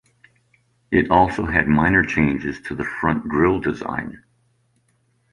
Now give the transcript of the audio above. It also had minor changes to the front grill design.